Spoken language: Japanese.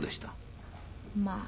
まあ。